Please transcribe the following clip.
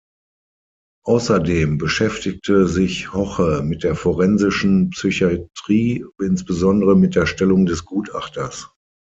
Außerdem beschäftigte sich Hoche mit der forensischen Psychiatrie, insbesondere mit der Stellung des Gutachters.